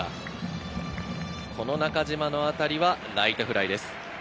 中島の当たりはライトフライです。